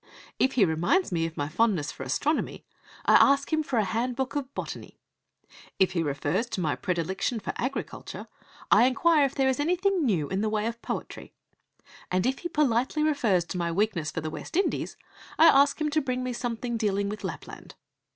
If he reminds me of my fondness for astronomy, I ask him for a handbook of botany. If he refers to my predilection for agriculture, I inquire if there is anything new in the way of poetry; and if he politely refers to my weakness for the West Indies, I ask him to bring me something dealing with Lapland.